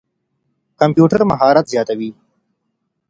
کمپيوټر مهارت زياتوي.